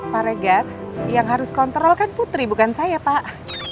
pak regar yang harus kontrol kan putri bukan saya pak